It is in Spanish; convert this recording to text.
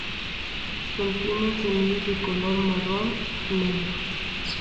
Contienen semillas de color marrón-negro.